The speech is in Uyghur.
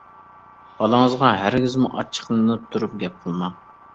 بالىڭىزغا ھەرگىزمۇ ئاچچىقلىنىپ تۇرۇپ گەپ قىلماڭ.